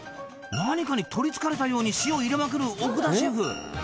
何かに取りつかれたように塩を入れまくる奥田シェフ